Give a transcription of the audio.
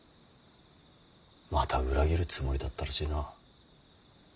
また裏切るつもりだったらしいな。